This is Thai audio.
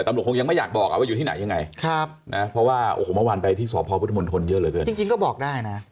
ตำรวจยังไม่อยากบอกว่าอยู่ที่ไหนยังไง